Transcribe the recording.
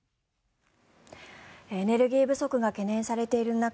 エネルギー不足が懸念されている中